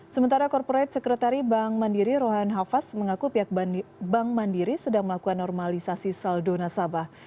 sementara korporate sekretari bank mandiri rohan hafas mengaku pihak bank mandiri sedang melakukan normalisasi saldo nasabah